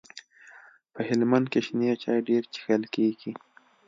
په هلمند کي شنې چاي ډيري چیښل کیږي.